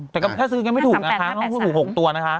แต่ก็ถ้าซื้อกันไม่ถูกนะคะต้องพูดถูก๖ตัวนะคะ